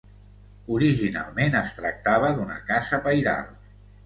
Originalment es tractava d'una casa pairal.